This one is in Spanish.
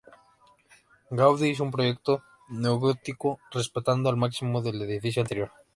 Gaudí hizo un proyecto neogótico, respetando al máximo el edificio anterior.